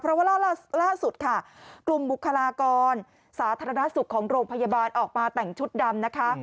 เพราะว่าล่าสุดค่ะกลุ่มบุคลากรสาธารณสุขของโรงพยาบาลออกมาแต่งชุดดำนะคะ